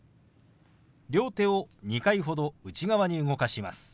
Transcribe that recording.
両手を２回ほど内側に動かします。